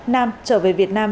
nam trở về việt nam